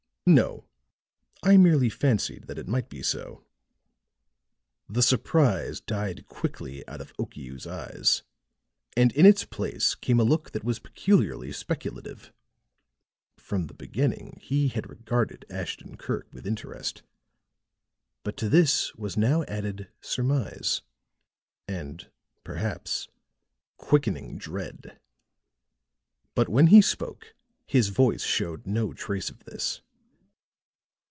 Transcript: "No, I merely fancied that it might be so." The surprise died quickly out of Okiu's eyes; and in its place came a look that was peculiarly speculative; from the beginning he had regarded Ashton Kirk with interest; but to this was now added surmise and, perhaps, quickening dread. But when he spoke his voice snowed no trace of this.